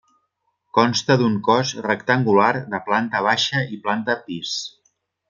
Consta d'un cos rectangular de planta baixa i planta pis.